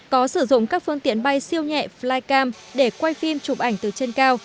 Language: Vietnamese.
có sử dụng các phương tiện bay siêu nhẹ flycam để quay phim chụp ảnh từ trên cao